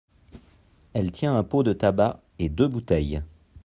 Elle tient un pot de tabac et deux bouteilles.